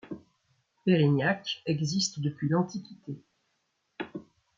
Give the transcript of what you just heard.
Peyrignac existe depuis l'Antiquité.